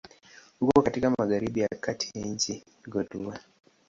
Uko katika magharibi ya kati ya nchi Cote d'Ivoire.